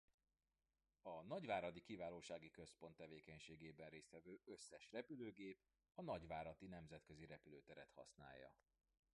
A nagyváradi Kiválósági Központ tevékenységében részt vevő összes repülőgép a nagyváradi nemzetközi repülőteret használja.